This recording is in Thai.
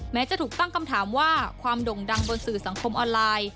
แม้จะถูกตั้งคำถามว่าความด่งดังบนสื่อสังคมออนไลน์